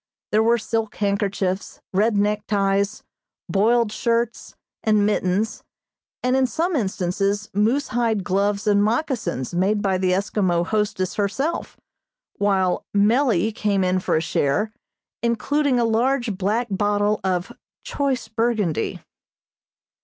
There were silk handkerchiefs, red neckties, "boiled shirts," and mittens, and in some instances moosehide gloves and moccasins, made by the Eskimo hostess herself, while "Mellie" came in for a share, including a large black bottle of "choice Burgundy."